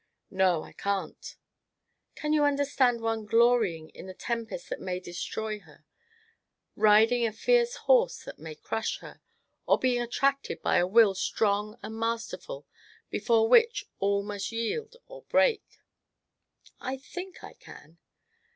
"No, I can't." "Can you understand one glorying in the tempest that may destroy her, riding a fierce horse that may crush her, or being attracted by a will strong and masterful, before which all must yield or break?" "I think I can."